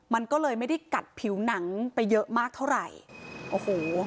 มันก็เลยไม่ได้กัดผิวหนังไปเยอะมากเท่าไหร่โอ้โห